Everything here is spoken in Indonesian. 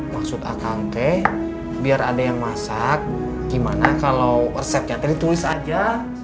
maksud akang teh biar ada yang masak gimana kalau resepnya tuh ditulis aja